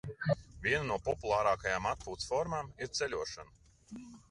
Viena no populārākajām atpūtas formām ir ceļošana.